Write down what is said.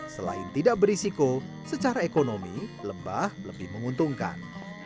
selain tidak berisiko secara ekonomi lembah lebih menguntungkan